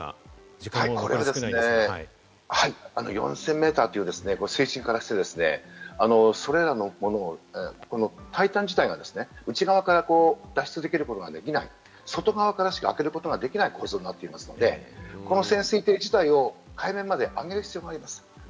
時間も残り少ないですし、４０００メーターという水深からして、それらのものをタイタン自体は内側から脱出できることができない、外側からしか開けることができない構造になっているので、この潜水艇自体を海面まで上げる必要があります。